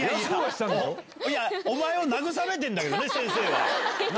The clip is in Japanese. いや、お前を慰めてるんだけどね、先生は。